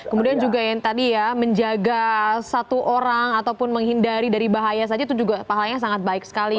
kemudian juga yang tadi ya menjaga satu orang ataupun menghindari dari bahaya saja itu juga pahalanya sangat baik sekali